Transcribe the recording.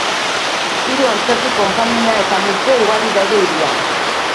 Hiru antzerki konpainia eta museo ugari daude hirian.